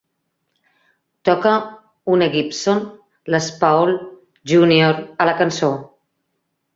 Toca una Gibson Les Paul Junior a la cançó.